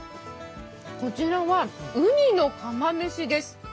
こちらは、うにの釜飯です。